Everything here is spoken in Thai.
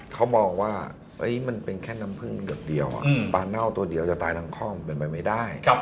เขามองว่ามันเป็นแค่น้ำพึ่งหยดเดียวปลาเน่าตัวเดียวจะตายทั้งข้องเป็นไปไม่ได้